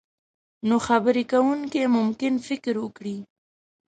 نو خبرې کوونکی ممکن فکر وکړي.